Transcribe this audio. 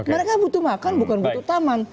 mereka butuh makan bukan butuh taman